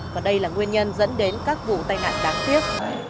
và đây là nguyên nhân dẫn đến các vụ tai nạn đáng tiếc